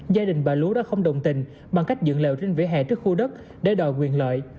gia đình bà lúa đã không đồng tình bằng cách dựng lèo trên vỉa hè trước khu đất để đòi quyền lợi